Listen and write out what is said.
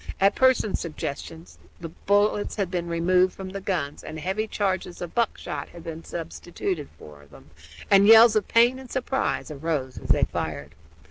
At Pearson's suggestion the bullets had been removed from the guns and heavy charges of buckshot had been substituted for them, and yells of pain and surprise rose as they fired.